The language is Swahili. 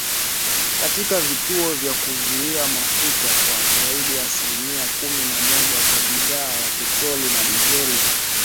katika vituo vya kuuzia mafuta kwa zaidi ya asilimia kumi na moja kwa bidhaa ya petroli na dizeli